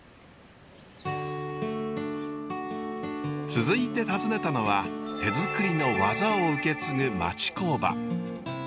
続いて訪ねたのは手作りの技を受け継ぐ町工場。